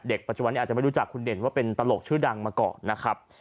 ปัจจุบันนี้อาจจะไม่รู้จักคุณเด่นว่าเป็นตลกชื่อดังมาก่อนนะครับ